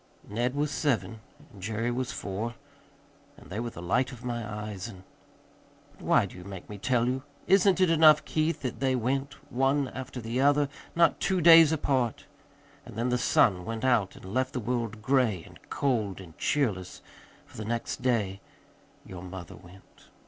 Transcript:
"Ned was seven and Jerry was four, and they were the light of my eyes, and But why do you make me tell you? Isn't it enough, Keith, that they went, one after the other, not two days apart? And then the sun went out and left the world gray and cold and cheerless, for the next day your mother went."